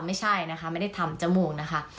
ไม่ใช่นะคะไม่ได้ทำจมูกนะคะ